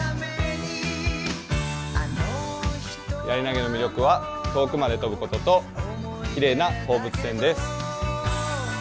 やり投げの魅力は、遠くまで飛ぶことときれいな放物線です。